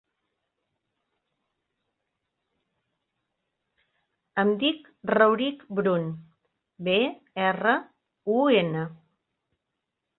Em dic Rauric Brun: be, erra, u, ena.